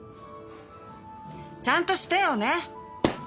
ちゃんとしてよね！